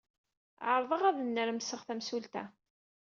Ɛerḍeɣ ad nnermseɣ tamsulta.